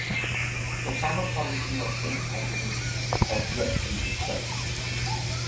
The pharmacology of these agonists has yet to be described.